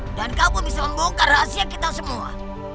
dan kamu bisa membongkar rahasia kita semua